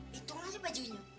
hitung aja bajunya